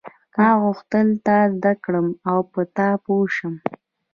ما غوښتل تا زده کړم او په تا پوه شم.